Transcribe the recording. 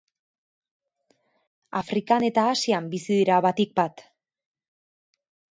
Afrikan eta Asian bizi dira batik bat.